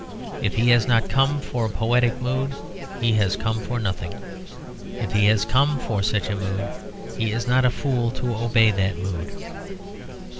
If he has not come for a poetic mood he has come for nothing; if he has come for such a mood, he is not a fool to obey that mood.